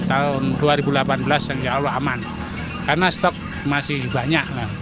tahun dua ribu delapan belas insya allah aman karena stok masih banyak